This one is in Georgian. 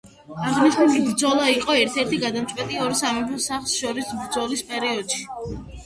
აღნიშნული ბრძოლა იყო ერთ-ერთი გადამწყვეტი ორ სამეფო სახლს შორის ბრძოლის პერიოდში.